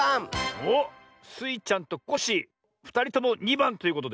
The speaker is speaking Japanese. おっ。スイちゃんとコッシーふたりとも２ばんということで。